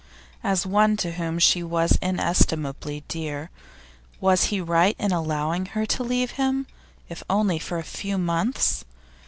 As one to whom she was inestimably dear, was he right in allowing her to leave him, if only for a few months?